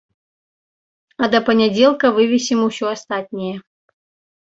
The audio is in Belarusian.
А да панядзелка вывесім усё астатняе.